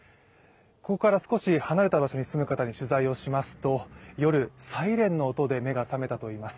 ここから少し離れた場所に住む方に取材をすると夜、サイレンの音で目が覚めたといいます。